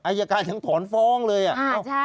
อายการยังถอนฟ้องเลย